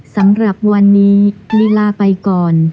สำหรับวันนี้ลีลาไปก่อน